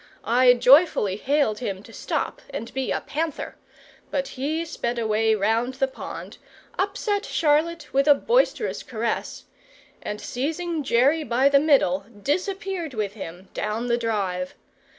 I joyfully hailed him to stop and be a panther; but he sped away round the pond, upset Charlotte with a boisterous caress, and seizing Jerry by the middle, disappeared with him down the drive.